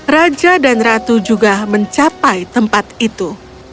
raja dan ratu juga mencapai tempat itu